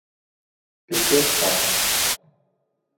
Bezirk statt.